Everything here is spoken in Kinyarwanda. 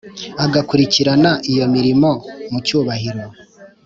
agakurikirana iyo mirimo mu cyubahiro